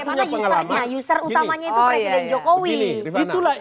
karena usernya user utamanya itu presiden jokowi